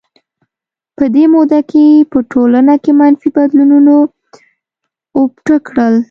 په دې موده کې په ټولنه کې منفي بدلونونو اپوټه کړل.